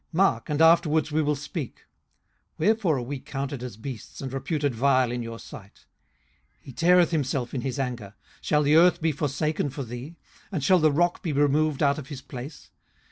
mark, and afterwards we will speak. 18:018:003 Wherefore are we counted as beasts, and reputed vile in your sight? 18:018:004 He teareth himself in his anger: shall the earth be forsaken for thee? and shall the rock be removed out of his place?